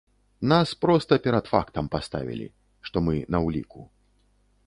Нас проста перад фактам паставілі, што мы на ўліку.